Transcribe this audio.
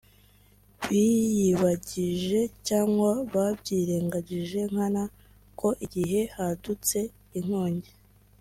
biyibagije cyangwa babyirengagije nkana ko igihe hadutse inkongi